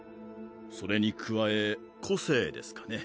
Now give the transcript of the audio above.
それに加え個性ですかね。